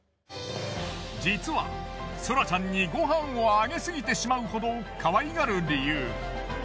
実はソラちゃんにご飯をあげすぎてしまうほどかわいがる理由。